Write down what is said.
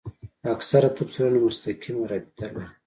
اکثره تفسیرونه مستقیمه رابطه لري.